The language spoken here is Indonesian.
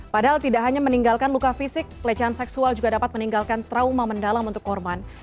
padahal tidak hanya meninggalkan luka fisik pelecehan seksual juga dapat meninggalkan trauma mendalam untuk korban